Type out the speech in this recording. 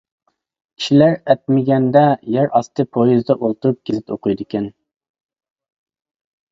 كىشىلەر ئەتمىگەندە يەر ئاستى پويىزىدا ئولتۇرۇپ گېزىت ئوقۇيدىكەن.